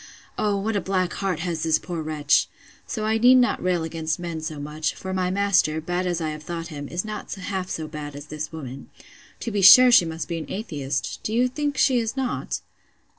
O, what a black heart has this poor wretch! So I need not rail against men so much; for my master, bad as I have thought him, is not half so bad as this woman.—To be sure she must be an atheist!—Do you think she is not?